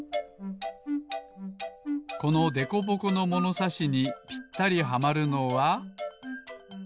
このでこぼこのものさしにぴったりはまるのは。